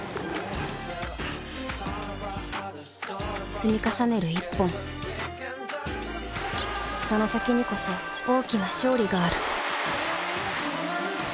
積み重ねる一歩をその先にこそ大きな勝利がある。